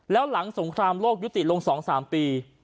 แล้วหลังสงครามโลกยุติลง๒๓ปี